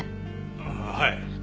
ああはい。